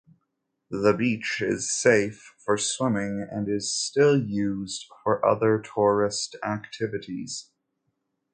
The beach is safe for swimming, and is still used for other tourist activities.